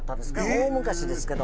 大昔ですけど。